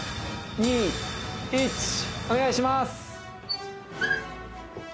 お願いします！